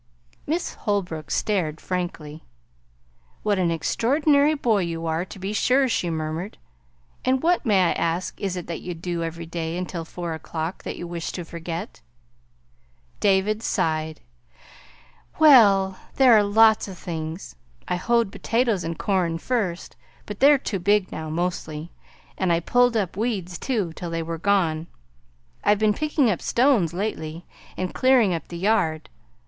Miss Holbrook stared frankly. "What an extraordinary boy you are, to be sure," she murmured. "And what, may I ask, is it that you do every day until four o'clock, that you wish to forget?" David sighed. "Well, there are lots of things. I hoed potatoes and corn, first, but they're too big now, mostly; and I pulled up weeds, too, till they were gone. I've been picking up stones, lately, and clearing up the yard.